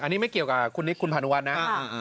อันนี้ไม่เกี่ยวกับคุณนิกคุณพานุวัฒน์นะ